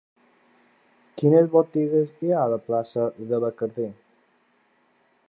Quines botigues hi ha a la plaça de Bacardí?